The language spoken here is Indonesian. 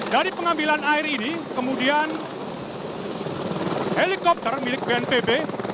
dari pengambilan air ini kemudian helikopter milik bnpb